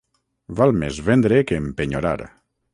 Val més vendre que empenyorar.